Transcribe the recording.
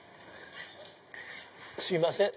すいません